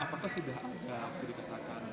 nah apakah sudah ada apa sih dikatakan